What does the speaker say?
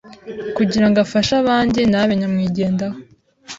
kugira ngo afashe abandi ntabe nyamwigendaho